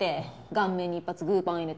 顔面に一発グーパン入れて。